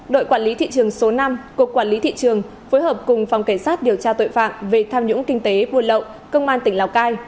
đội quản lý thị trường số năm cục quản lý thị trường phối hợp cùng phòng cảnh sát điều tra tội phạm về tham nhũng kinh tế buôn lậu công an tỉnh lào cai